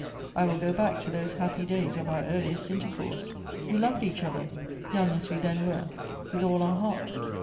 I will go back to those happy days of our earliest intercourse. We loved each other, young as we then were, with all our hearts.